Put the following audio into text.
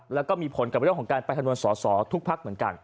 แล้วก็มีผลกับเรื่องของการไปคำนวณสอสอทุกพักเหมือนกัน